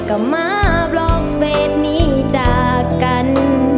ก็มาบล็อกเฟสนี้จากกัน